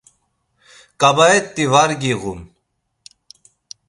Ǩabaet̆i var giğun.